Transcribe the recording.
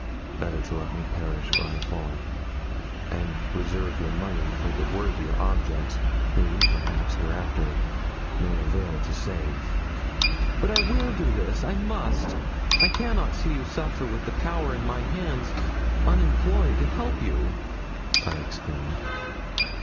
Better to let me perish where I fall; and reserve your money for the worthier objects whom, perhaps, hereafter may avail to save.' 'But I will do this. I must. I cannot see you suffer with the power in my hands unemployed to help you,' I exclaimed.